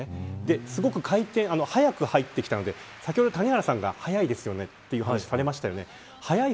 すごく回転が速く入ってきたので先ほど谷原さんが早いですよねと話されましたよね。